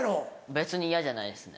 別に嫌じゃないですね